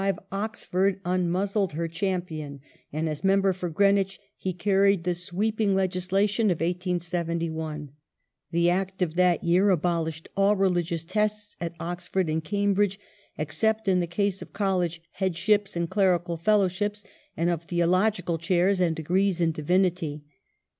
408 NATIONAL EDUCATION [1833 But in 1865 Oxford unmuzzled her champion, and as member for Gi eenwich he carried the sweeping legislation of 1871, The Act of that year abolished all religious tests at Oxford and Cambridge, except in the case of College headships and clerical Fellowships and The Uni of Theological Chairs and Degrees in Divinity.